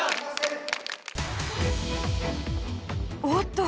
おっと！